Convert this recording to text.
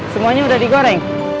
semuanya udah digoreng